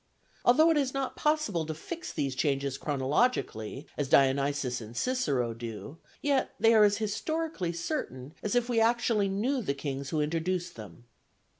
Although it is not possible to fix these changes chronologically, as Dionysius and Cicero do, yet they are as historically certain as if we actually knew the kings who introduced them.